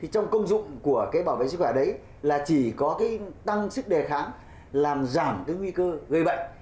trong công dụng của bảo vệ sức khỏe đấy là chỉ có tăng sức đề kháng làm giảm nguy cơ gây bệnh